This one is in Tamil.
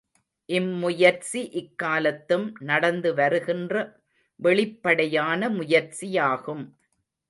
இம்முயற்சி இக்காலத்தும் நடந்து வருகின்ற வெளிப்படையான முயற்சியாகும்.